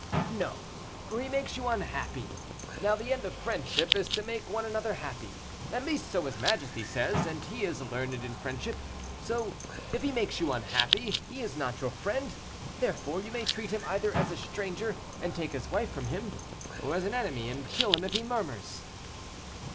"No; for he makes you unhappy. Now the end of friendship is to make one another happy. At least, so his majesty says, and he is learned in friendship. So, if he makes you unhappy, he is not your friend; therefore you may treat him either as a stranger, and take his wife from him, or as an enemy, and kill him if he murmurs."